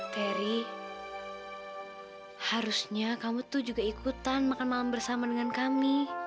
terry harusnya kamu tuh juga ikutan makan malam bersama dengan kami